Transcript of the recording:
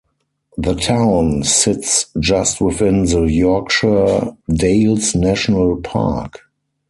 The town sits just within the Yorkshire Dales National Park.